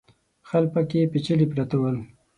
خلک پکې پېچلي پراته ول.